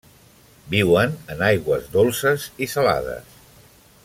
Viuen en aigües dolces i salades.